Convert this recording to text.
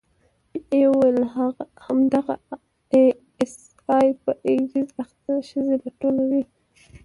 بيا يې وويل همدغه آى اس آى په ايډز اخته ښځې راټولوي.